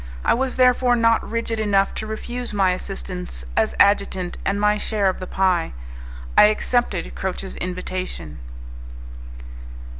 I was therefore not rigid enough to refuse my assistance as adjutant and my share of the pie; I accepted Croce's invitation.